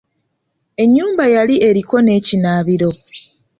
Ennyumba yali eriko n'ekinaabiro.